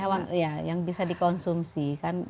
hewan yang bisa dikonsumsi